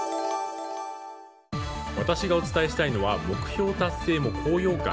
私がお伝えしたいのは目標達成も高揚感